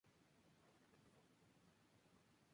Cartas a mi familia".